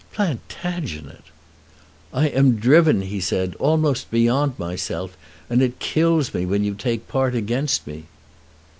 "Plantagenet!" "I am driven," he said, "almost beyond myself, and it kills me when you take part against me."